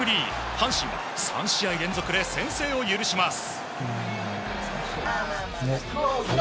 阪神は３試合連続で先制を許します。